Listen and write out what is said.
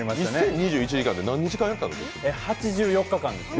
２０２１時間って何日間やったんですか？